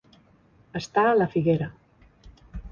Estar a la figuera.